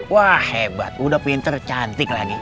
wah hebat udah pinter cantik lagi